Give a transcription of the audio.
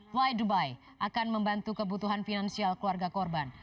fly dubai akan membantu kebutuhan finansial keluarga korban